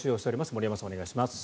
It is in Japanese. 森山さん、お願いします。